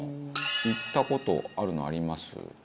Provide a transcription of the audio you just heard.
行った事あるのあります？